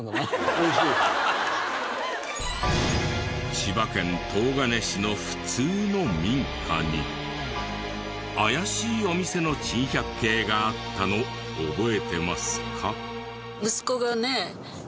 千葉県東金市の普通の民家に怪しいお店の珍百景があったの覚えてますか？